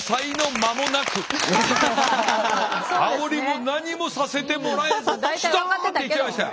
あおりも何もさせてもらえずストンっていっちゃいましたよ。